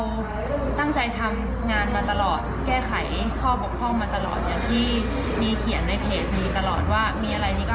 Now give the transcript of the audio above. ทุกคนก็ตั้งใจทำงานกันอย่างเกินที่ก็คงจะเป็นที่มาที่ใบของเหรียญนี้นะคะ